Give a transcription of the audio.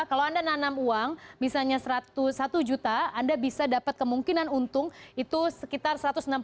kalau anda nanam uang misalnya satu ratus satu juta anda bisa dapat kemungkinan untung itu sekitar satu ratus enam puluh